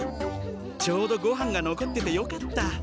ちょうどごはんがのこっててよかった！